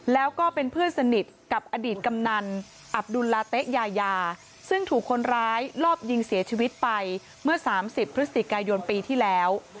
แล้วก็เป็นเพื่อนสนิทกับอดีตกำนันอับดุลลาเต๊ะยายาซึ่งถูกคนร้ายรอบยิงเสียชีวิตไปเมื่อ๓๐พฤศจิกายนปีที่แล้ว